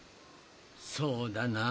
そうだなぁ。